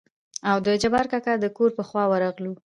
او د جبار کاکا دکور په خوا ورغلو.